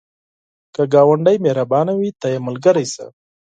که ګاونډی مهربانه وي، ته یې ملګری شه